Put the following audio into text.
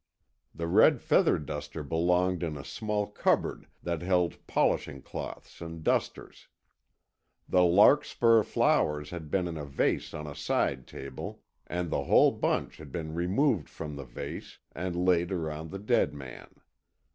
The red feather duster belonged in a small cupboard that held polishing cloths and dusters. The larkspur flowers had been in a vase on a side table, and the whole bunch had been removed from the vase and laid around the dead man.